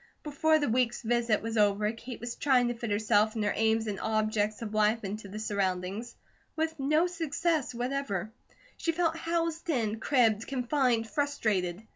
Before the week's visit was over, Kate was trying to fit herself and her aims and objects of life into the surroundings, with no success whatever. She felt housed in, cribbed, confined, frustrated.